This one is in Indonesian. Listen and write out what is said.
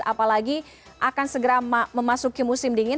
apalagi akan segera memasuki musim dingin